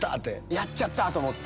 やっちゃった！と思って。